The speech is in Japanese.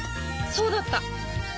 そうだった！